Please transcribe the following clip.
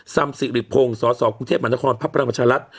สำสิริพงศ์สสกรุงเทพมหานครพักพลังประชารัฐ